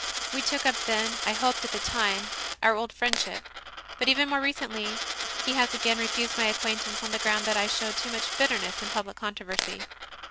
We took up then, I hoped at the time, our old friendship; but even more re cently he has again refused my acquaintance, on the ground that I showed too much "bitterness" in public controversy.